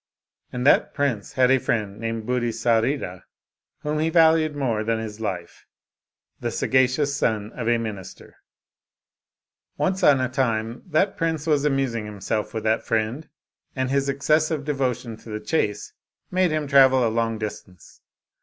And that prince had a friend, named Buddhisarira, whom he valued more than his life, the sagacious son of a minister. Oriental Mystery Stories Once on a time that prince was amusing himself with that friend, and his excessive devotion to the chase made him travel a long distance.